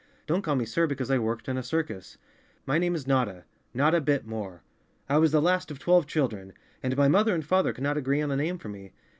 "Don't call me sir because I worked in a circus. My name is Notta—Notta Bit More. I was the last of twelve children, and my mother and father could not agree on a name for me.